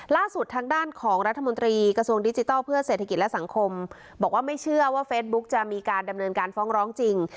ล่าสุดทางด้านของรัฐมนตรีกระทรวงดิจิทัลเพื่อเศรษฐกิจและสังคมบอกว่าไม่เชื่อว่าเฟซบุ๊กจะมีการดำเนินการฟ้องร้องจริง